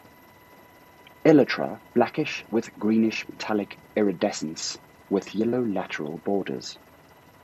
Elytra blackish with greenish metallic iridescence with yellow lateral borders.